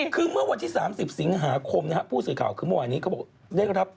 คือเมื่อวันที่๓๐สิงหาคมนะครับผู้สื่อข่าวคือเมื่อวานนี้เขาบอกได้รับ